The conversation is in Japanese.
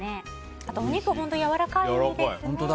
あとお肉が本当やわらかいですね。